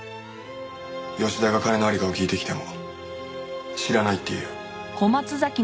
吉田が金の在りかを聞いてきても知らないって言えよ。